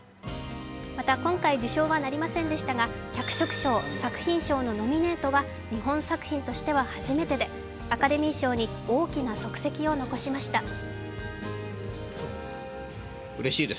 また今回受賞はなりませんでしたが脚色賞、作品賞のノミネートは日本作品としては初めてでアカデミー賞に大きな即席を残しました。